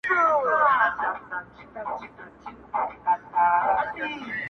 o نه د ژړا نه د خندا خاوند دی.